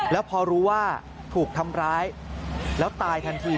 แล้วพอรู้ว่าถูกทำร้ายแล้วตายทันที